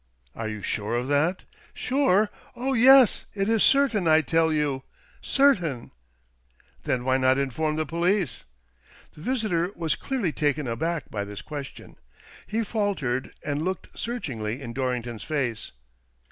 *' Are you sure of that ?"" Sure ? Oh yes — it is certain, I tell you — certain !"" Then why not inform the police? " The visitor was clearly taken aback by this question. He faltered, and looked searchingly in Dorrington's face.